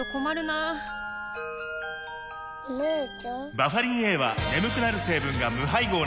バファリンＡは眠くなる成分が無配合なんです